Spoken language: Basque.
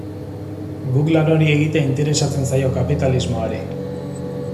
Guk lan hori egitea interesatzen zaio kapitalismoari.